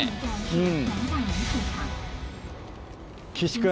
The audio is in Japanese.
うん。